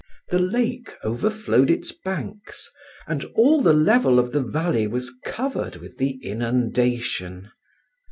The lake overflowed its banks, and all the level of the valley was covered with the inundation.